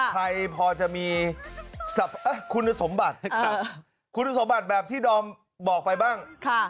ใครพอจะมีคุณสมบัติแบบที่ดอมบอกไปบ้าง